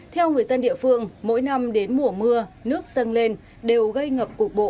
theo người dân địa phương mỗi năm đến mùa mưa nước dâng lên đều gây ngập cục bộ